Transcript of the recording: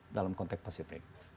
dalam konteks pasifik